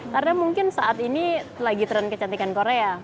karena mungkin saat ini lagi tren kecantikan korea